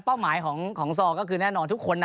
ป้อมหมายของสอร์ก็คือแน่นอนทุกคน